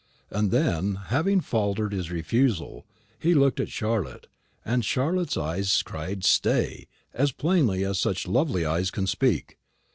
And then, having faltered his refusal, he looked at Charlotte, and Charlotte's eyes cried "Stay," as plainly as such lovely eyes can speak.